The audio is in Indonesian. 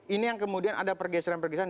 ini yang kemudian ada pergeseran pergeseran